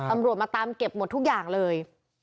ตำรวจมาตามเก็บหมดทุกอย่างเลย